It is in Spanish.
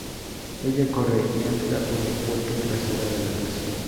Ella corre y entra por la puerta trasera de la casa.